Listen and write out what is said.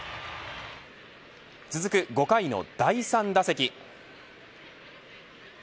続く５回の第３打席。